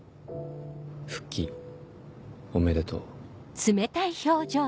復帰おめでとう。